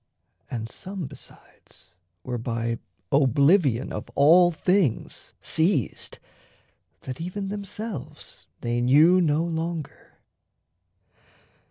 And some, besides, were by oblivion Of all things seized, that even themselves they knew No longer.